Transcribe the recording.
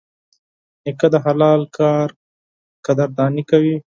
نیکه د حلال کار قدرداني کوي.